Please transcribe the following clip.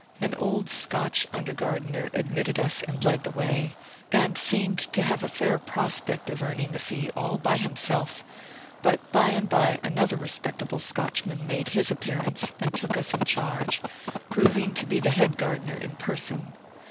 An old Scotch under gardener admitted us and led the way, and seemed to have a fair prospect of earning the fee all by himself; but by and by another respectable Scotchman made his appearance and took us in charge, proving to be the head gardener in person.